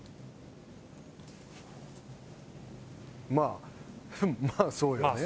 「まあまあそうよね」